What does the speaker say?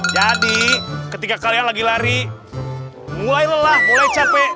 jadi ketika kalian lagi lari mulai lelah mulai capek